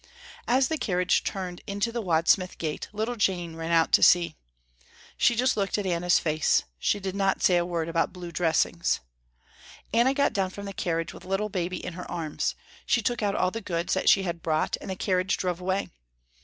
As the carriage turned into the Wadsmith gate, little Jane ran out to see. She just looked at Anna's face; she did not say a word about blue dressings. Anna got down from the carriage with little Baby in her arms. She took out all the goods that she had brought and the carriage drove away.